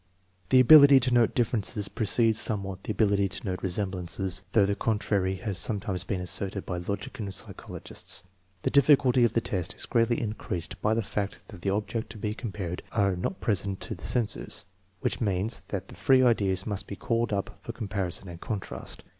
The ability to note differences precedes somewhat the ability to note resemblances, though the contrary has some times been asserted by logician psychologists. The diffi culty of the test is greatly increased by the fact that the objects to be compared are not present to the senses, which means that the free ideas must be called up for comparison and contrast.